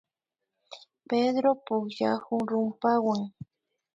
Pedro pukllakun rumpawan